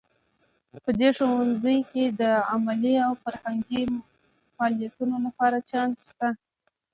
په دې ښوونځي کې د علمي او فرهنګي فعالیتونو لپاره چانس شته